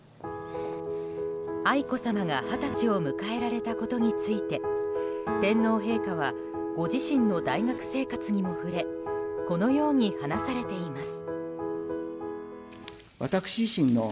愛子さまが二十歳を迎えられたことについて天皇陛下はご自身の大学生活にも触れこのように話されています。